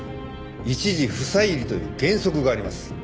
一事不再理という原則があります。